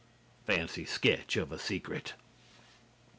(Fancy sketch of a secret.)